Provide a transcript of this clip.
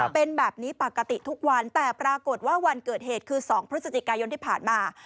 เป็นแบบนี้ปกติทุกวันแต่ปรากฏว่าวันเกิดเหตุคือ๒พฤศจิกายนที่ผ่านมา